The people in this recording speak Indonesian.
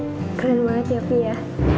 keren banget ya fi ya